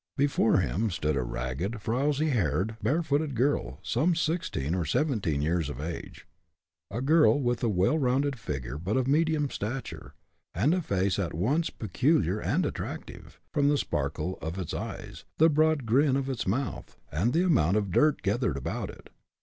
Before him stood a ragged, frowsy haired, bare footed girl, some sixteen or seventeen years of age a girl with a well rounded figure of but medium stature, and a face at once peculiar and attractive, from the sparkle of its eyes, the broad grin of its mouth, and the amount of dirt gathered about it.